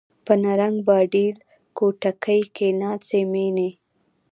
په نرنګ، باډېل کوټکي کښي ناڅي میني